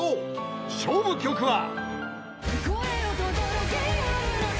［勝負曲は］